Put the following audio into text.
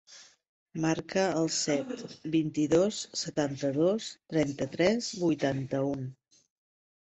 Marca el set, vint-i-dos, setanta-dos, trenta-tres, vuitanta-u.